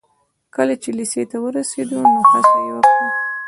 کله چې لېسې ته ورسېد نو هڅه يې وکړه.